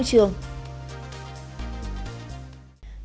tiếp theo chương trình